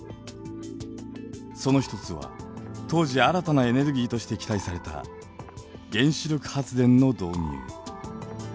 その１つは当時新たなエネルギーとして期待された原子力発電の導入。